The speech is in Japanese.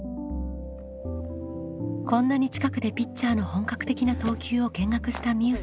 こんなに近くでピッチャーの本格的な投球を見学したみ